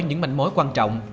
những mạnh mối quan trọng